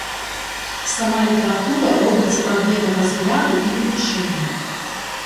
Сама літаратура робіцца прадметам разгляду і вывучэння.